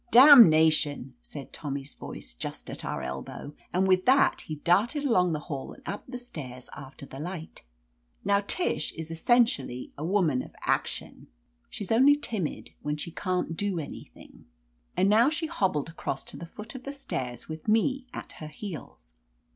"Damnation!" said Tommy's voice, just at our elbow. And with that he darted along the hall and up the stairs, after the light. Now Tish is essentially a woman of action. She's only timid when she can't do anything.' 64 OF LETITIA CARBERRY And now she hobbled across to the foot of the stairs, with me at her heels.